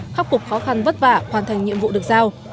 khắp cuộc khó khăn vất vả hoàn thành nhiệm vụ được giao